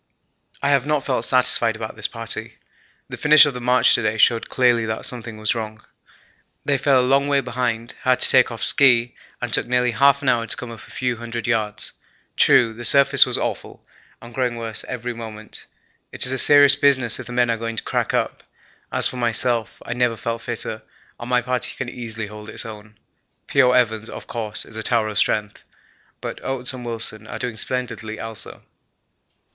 I have not felt satisfied about this party. The finish of the march to day showed clearly that something was wrong. They fell a long way behind, had to take off ski, and took nearly half an hour to come up a few hundred yards. True, the surface was awful and growing worse every moment. It is a very serious business if the men are going to crack up. As for myself, I never felt fitter and my party can easily hold its own. P.O. Evans, of course, is a tower of strength, but Oates and Wilson are doing splendidly also.